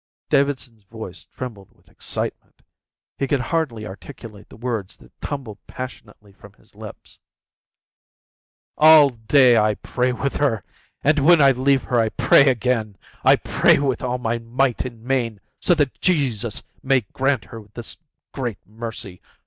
Davidson's voice trembled with excitement. He could hardly articulate the words that tumbled passionately from his lips. "All day I pray with her and when I leave her I pray again, I pray with all my might and main, so that Jesus may grant her this great mercy.